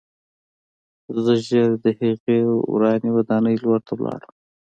زه ژر د هغې ورانې ودانۍ لور ته لاړم